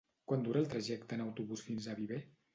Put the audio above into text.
Quant dura el trajecte en autobús fins a Viver?